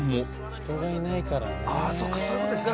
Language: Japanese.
人がいないからね。